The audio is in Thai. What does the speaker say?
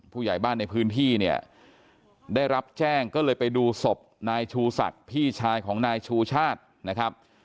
ผู้ใหญ่บ้านในพื้นที่เนี่ยได้รับแจ้งก็เลยไปดูศพนายชูศักดิ์พี่ชายของนายชูชาตินะครับ